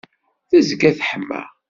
tezga teḥma.